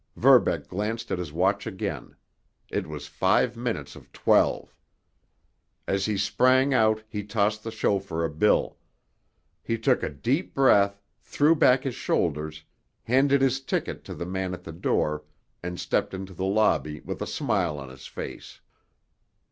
Verbeck glanced at his watch again—it was five minutes of twelve. As he sprang out he tossed the chauffeur a bill. He took a deep breath, threw back his shoulders, handed his ticket to the man at the door, and stepped into the lobby with a smile on his face.